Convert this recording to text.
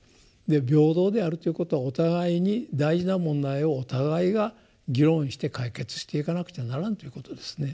平等であるということはお互いに大事な問題をお互いが議論して解決していかなくてはならんということですね。